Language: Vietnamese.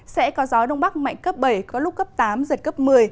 sẽ có gió đông bắc mạnh cấp bảy có lúc cấp tám giật cấp một mươi